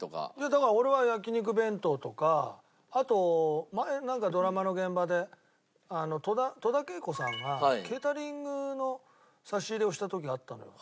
だから俺は焼肉弁当とかあと前ドラマの現場で戸田恵子さんがケータリングの差し入れをした時があったのよ。